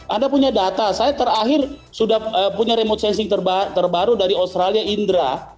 anda punya data saya terakhir sudah punya remote sensing terbaru dari australia indra